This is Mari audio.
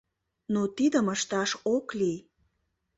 Но тидым ышташ ок лий.